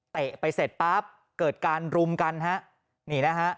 เตะไปเสร็จปั๊บเกิดการรุมกัน